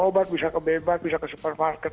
obat bisa ke bebas bisa ke supermarket